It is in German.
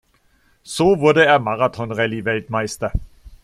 So wurde er Marathonrallye-Weltmeister.